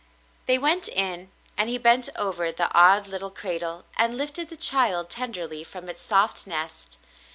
They w^ent in, and he bent over the odd little cradle and lifted the child tenderly from its soft nest.